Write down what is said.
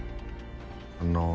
あの。